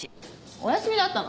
お休みだったの。